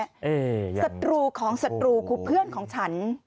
ศัตรูของศัตรูคือเพื่อนของฉัน